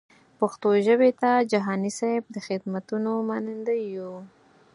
پښتو ژبې ته جهاني صېب د خدمتونو منندوی یو.